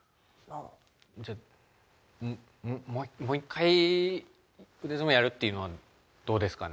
じゃももう一回腕相撲やるっていうのはどうですかね